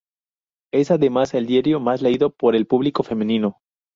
Es además el diario más leído por el público femenino.